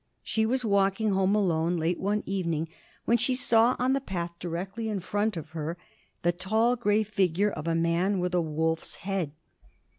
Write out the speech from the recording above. She was walking home alone, late one evening, when she saw on the path directly in front of her the tall grey figure of a man with a wolf's head.